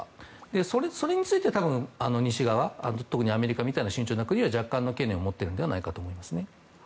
それについては西側、特にアメリカみたいな慎重な国は若干の懸念を持っていると思います。